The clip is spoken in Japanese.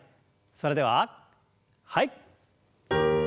それでははい。